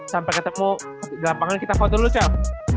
sampai ketemu di lapangan kita kontrol dulu cel